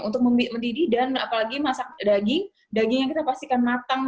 untuk mendidih dan apalagi masak daging daging yang kita pastikan matang